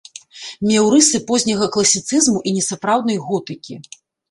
Меў рысы позняга класіцызму і несапраўднай готыкі.